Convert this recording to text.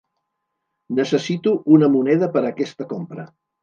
Necessito una moneda per aquesta compra.